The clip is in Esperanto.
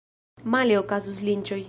Male okazus linĉoj.